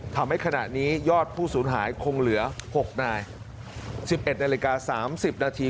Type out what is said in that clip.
ทำให้ขณะนี้ยอดผู้สูญหายคงเหลือหกนายสิบเอ็ดนาฬิกาสามสิบนาที